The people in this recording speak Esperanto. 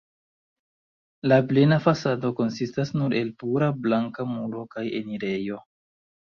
La plena fasado konsistas nur el pura blanka muro kaj enirejo.